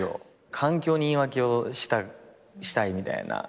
環境に言い訳をしたいみたいな。